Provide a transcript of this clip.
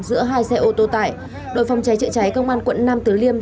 giữa hai xe ô tô tải đội phòng cháy trợ cháy công an quận năm từ liêm